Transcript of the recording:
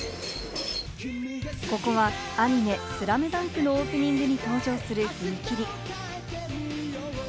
ここはアニメ『ＳＬＡＭＤＵＮＫ』のオープニングに登場する踏切。